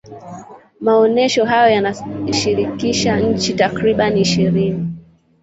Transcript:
maonesho hayo yanashirikisha nchi takribani ishirini